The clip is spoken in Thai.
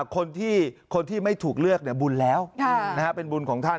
คนที่ไม่ถูกเลือกบุญแล้วเป็นบุญของท่าน